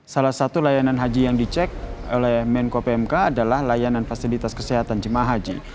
salah satu layanan haji yang dicek oleh menko pmk adalah layanan fasilitas kesehatan jemaah haji